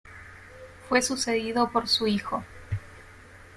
Fue sucedido por su hijo.